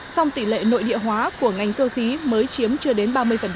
song tỷ lệ nội địa hóa của ngành cơ khí mới chiếm chưa đến ba mươi